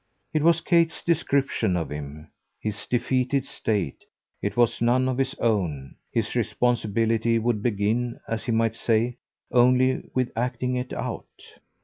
It was Kate's description of him, his defeated state, it was none of his own; his responsibility would begin, as he might say, only with acting it out.